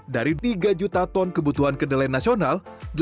dari tiga juta ton kebutuhan kedelai nasional